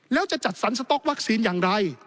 แล้วจะจัดสรรสต๊อกวัคซีนอย่างไร